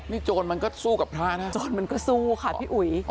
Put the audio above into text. นี่โจรมันก็สู้กับพระนะโจรมันก็สู้ค่ะพี่อุ๋ย